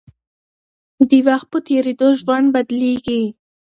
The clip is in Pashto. د وخت په تېرېدو ژوند بدلېږي.